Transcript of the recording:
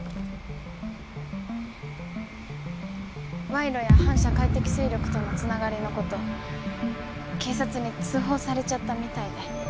賄賂や反社会的勢力との繋がりの事警察に通報されちゃったみたいで。